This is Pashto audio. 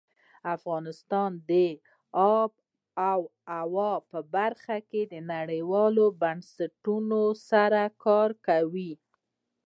افغانستان د آب وهوا په برخه کې نړیوالو بنسټونو سره کار کوي.